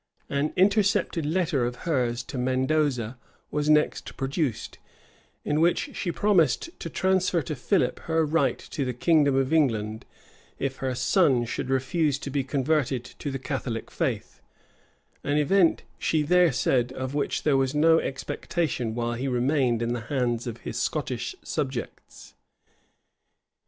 An intercepted letter of hers to Mendoza was next produced; in which she promised to transfer to Philip her right to the kingdom of England, if her son should refuse to be converted to the Catholic faith; an event, she there said, of which there was no expectation while he remained in the hands of his Scottish subjects.[*] * State Trials, vol. i. p 138.